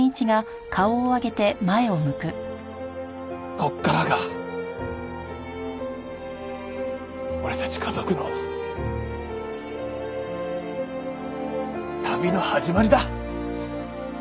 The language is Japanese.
ここからが俺たち家族の旅の始まりだ！